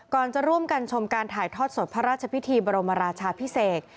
จะร่วมกันชมการถ่ายทอดสดพระราชพิธีบรมราชาพิเศษ